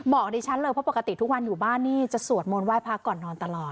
ดิฉันเลยเพราะปกติทุกวันอยู่บ้านนี่จะสวดมนต์ไห้พระก่อนนอนตลอด